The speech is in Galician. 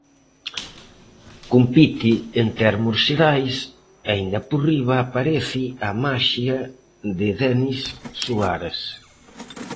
Compite en termos xerais e inda por riba aparece a maxia de Denis Suárez.